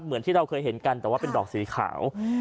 เหมือนที่เราเคยเห็นกันแต่ว่าเป็นดอกสีขาว